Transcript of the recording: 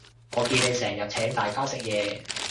我見你成日請大家食嘢